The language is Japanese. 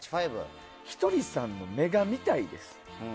ひとりさんの目が見たいです。